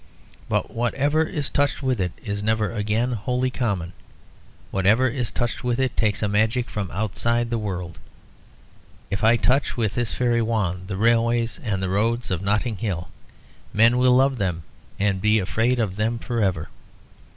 But whatever is touched with it is never again wholly common; whatever is touched with it takes a magic from outside the world. If I touch, with this fairy wand, the railways and the roads of Notting Hill, men will love them, and be afraid of them for ever."